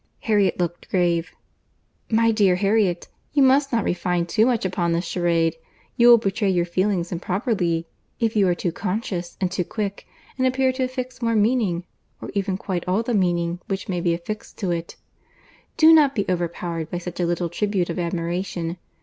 Harriet looked grave. "My dear Harriet, you must not refine too much upon this charade.—You will betray your feelings improperly, if you are too conscious and too quick, and appear to affix more meaning, or even quite all the meaning which may be affixed to it. Do not be overpowered by such a little tribute of admiration.